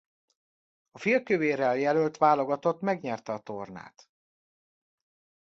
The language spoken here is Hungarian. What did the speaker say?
A félkövérrel jelölt válogatott megnyerte a tornát.